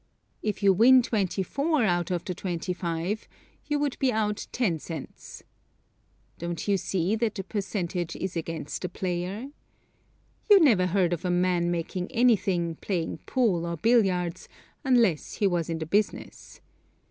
If you win twenty four out of the twenty five, you would be out ten cents. Don't you see that the percentage is against the player. You never heard of a man making anything playing pool or billiards unless he was in the business.